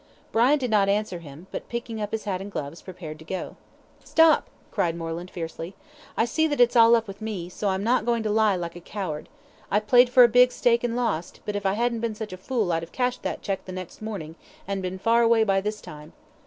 Brian did not answer him, but picking up his hat and gloves, prepared to go. "Stop!" cried Moreland, fiercely. "I see that it's all up with me, so I'm not going to lie like a coward. I've played for a big stake and lost, but if I hadn't been such a fool I'd have cashed that cheque the next morning, and been far away by this time."